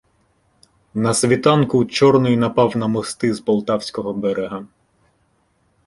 На світанку Чорний напав на мости з полтавського берега.